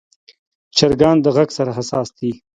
چرګان د غږ سره حساس دي.